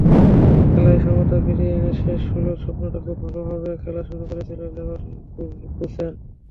খেলায় সমতা ফিরিয়ে এনে শেষ ষোলোর স্বপ্নটা খুব ভালোভাবেই দেখা শুরু করেছিল লেভারকুসেন।